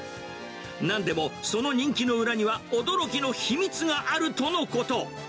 なんでもその人気の裏には、驚きの秘密があるとのこと。